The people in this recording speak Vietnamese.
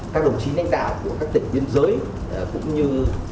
các đồng chí lãnh đạo của các tỉnh biên giới cũng như